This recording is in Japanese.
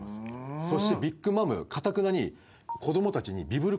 そしてビッグ・マムかたくなに。